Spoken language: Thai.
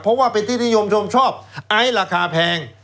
เพราะว่าเป็นที่นิยมชมชอบไอซ์ราคาแพง